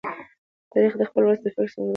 تاریخ د خپل ولس د فکر څرګندونکی دی.